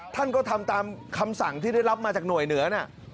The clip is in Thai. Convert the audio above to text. ท่านก็ทำตามคำสั่งที่ได้รับมาจากหน่วยเหนือนะ